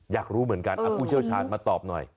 อยากรู้เหมือนกันเอาผู้เชี่ยวชาญมาตอบหน่อย